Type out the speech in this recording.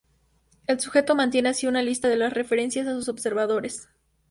El Sujeto mantiene así una lista de las referencias a sus observadores.